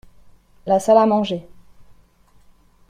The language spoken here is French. La salle à manger.